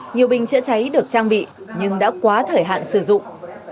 nhiều bình chữa cháy được trang bị nhưng đã quá thời hạn sử dụng